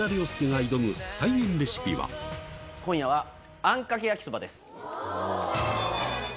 今夜は。